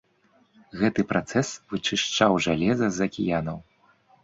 Гэты працэс вычышчаў жалеза з акіянаў.